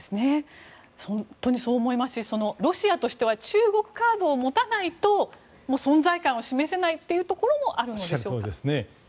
本当にそう思いますしロシアとしては中国カードを持たないと存在感を示せないというところもあるのでしょうか？